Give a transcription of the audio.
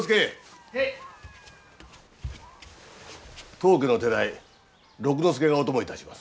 当家の手代六之助がお供いたします。